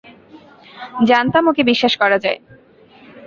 জানতাম ওকে বিশ্বাস করা যায়।